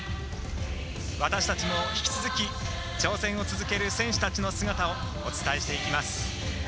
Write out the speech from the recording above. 私たちも引き続き挑戦を続ける選手たちの姿をお伝えしていきます。